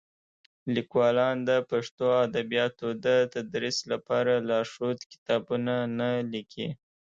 لیکوالان د پښتو ادبیاتو د تدریس لپاره لارښود کتابونه نه لیکي.